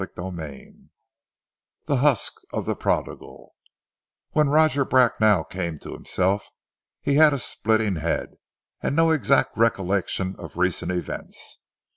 CHAPTER IX THE HUSKS OF THE PRODIGAL WHEN Roger Bracknell came to himself, he had a splitting head, and no exact recollection of recent events.